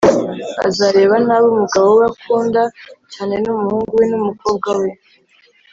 azareba nabi umugabo we akunda cyane n’umuhungu we n’umukobwa we,